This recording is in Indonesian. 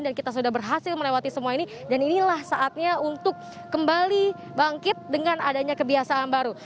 kita sudah berhasil melewati semua ini dan inilah saatnya untuk kembali bangkit dengan adanya kebiasaan baru